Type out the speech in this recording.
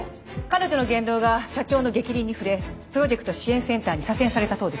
彼女の言動が社長の逆鱗に触れプロジェクト支援センターに左遷されたそうです。